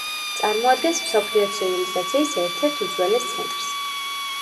წარმოადგენს მსოფლიო ცივილიზაციის ერთ-ერთ უძველეს ცენტრს.